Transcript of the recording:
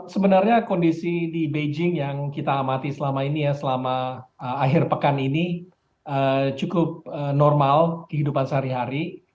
sebenarnya kondisi di beijing yang kita amati selama ini ya selama akhir pekan ini cukup normal kehidupan sehari hari